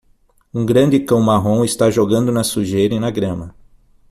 Um grande cão marrom está jogando na sujeira e na grama.